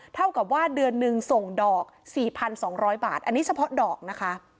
เท่ากับว่าเดือนหนึ่งส่งดอก๔๒๐๐บาทอันนี้เฉพาะดอกนะคะ